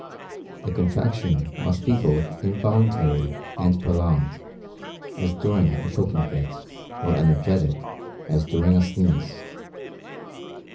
The contraction must be both involuntary and prolonged, as during a choking fit, or energetic, as during a sneeze.